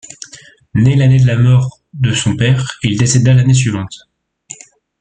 Né l’année de la mort de son père, il décéda l’année suivante.